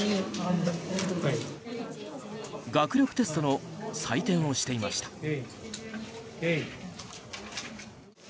学力テストの採点をしていました。